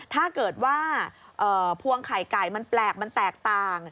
ถ้าเกิดว่าพวงไข่ไก่มันแปลกมันแตกต่าง